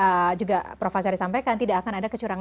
dan yang tadi juga prof azhari sampaikan tidak akan ada kebijakan ini